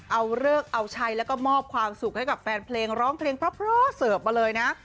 เอาเลิกเอาใช้แล้วก็มอบความสุขให้กับแฟนเพลงร้องเพลงเพราะเสิร์ฟมาเลยนะ